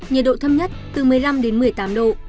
nhiệt độ thấp nhất từ một mươi năm đến một mươi tám độ